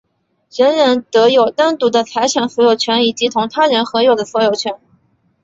人人得有单独的财产所有权以及同他人合有的所有权。